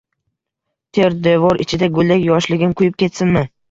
To`rt devor ichida guldek yoshligim kuyib ketsinmi